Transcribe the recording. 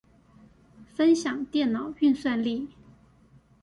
分享電腦運算力